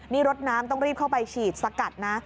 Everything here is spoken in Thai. นี่รถน้ำต้องรีบเข้าไปฉีดสกัดนะ